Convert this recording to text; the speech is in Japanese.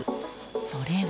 それは。